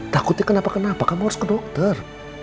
takutnya kenapa kenapa kamu harus ke dokter